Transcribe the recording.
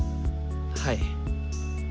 はい。